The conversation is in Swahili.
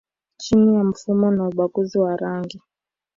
chini ya mfumo wa ubaguzi wa rangi